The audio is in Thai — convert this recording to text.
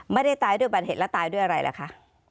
ไม่ได้ตายด้วยบัณฑิตและตายด้วยอะไรล่ะคะ